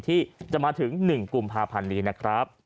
ที่จะมาถึง๑กุมภาพันธ์นี้นะครับ